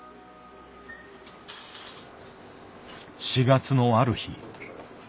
４月のある日。